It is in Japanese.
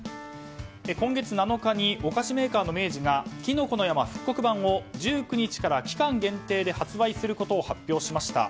今月７日にお菓子メーカーの明治がきのこの山復刻版を１９日から期間限定で発売することを発表しました。